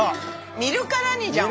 見るからにじゃん。